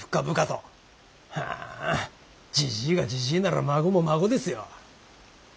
はんじじいがじじいなら孫も孫ですよ。